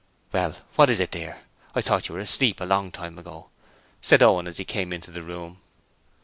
'Well, what is it dear? I thought you were asleep a long time ago,' said Owen as he came into the room.